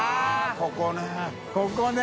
△ここね。